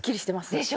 でしょ？